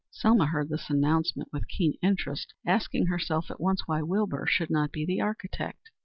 Selma heard this announcement with keen interest, asking herself at once why Wilbur should not be the architect.